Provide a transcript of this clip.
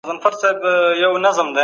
روغتیايي مرکزونه شپه او ورځ پرانیستي وو.